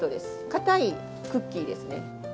かたいクッキーですね。